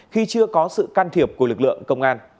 khi chưa có sự can thiệp của lực lượng công an